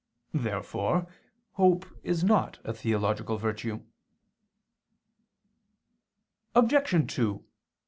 Therefore hope is not a theological virtue. Obj.